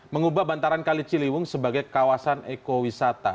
mengubah bantaran kali ciliwung sebagai kawasan ekowisata